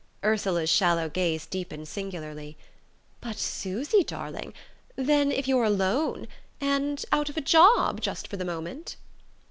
Ursula's shallow gaze deepened singularly. "But, Susy darling, then if you're alone and out of a job, just for the moment?"